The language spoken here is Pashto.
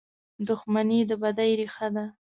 • دښمني د بدۍ ریښه ده.